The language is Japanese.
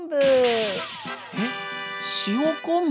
えっ塩昆布？